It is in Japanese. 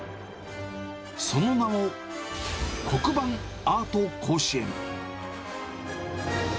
その名も、黒板アート甲子園。